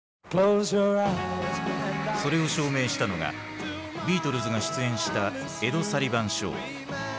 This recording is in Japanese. それを証明したのがビートルズが出演した「エド・サリバン・ショー」。